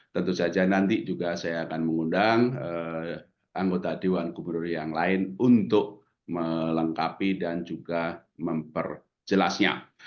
tentu saja nanti juga saya akan mengundang anggota dewan gubernur yang lain untuk melengkapi dan juga memperjelasnya